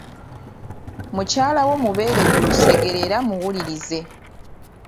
Mukyalawo mubeere ku lusegere era muwulirize.